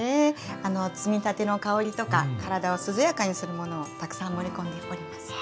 あの摘みたての香りとか体を涼やかにするものをたくさん盛り込んでおります。